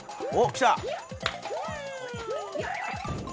きた！